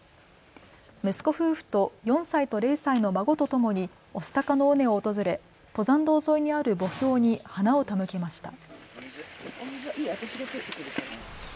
息子夫婦と４歳と０歳の孫とともに御巣鷹の尾根を訪れ登山道沿いにある墓標に花を手向けました。